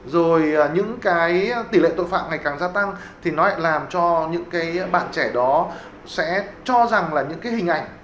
rồi những cái tỷ lệ tội phạm ngày càng gia tăng thì nó lại làm cho những cái bạn trẻ đó sẽ cho rằng là những cái hình ảnh